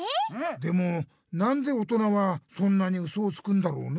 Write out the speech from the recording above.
でも何でおとなはそんなにウソをつくんだろうね？